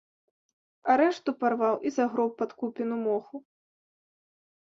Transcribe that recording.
А рэшту парваў і загроб пад купіну моху.